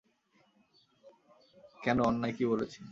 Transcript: কেন, অন্যায় কী বলেছি!